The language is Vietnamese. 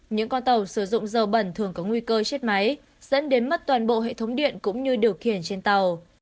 những con tàu sử dụng dầu bẩn thường có nguy cơ chết máy dẫn đến mất toàn bộ hệ thống điện cũng như điều khiển trên tàu